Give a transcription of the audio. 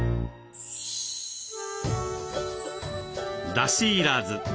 だしいらず。